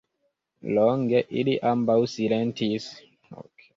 Longe ili ambaŭ silentis.